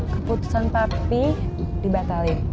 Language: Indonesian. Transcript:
keputusan papi dibatalin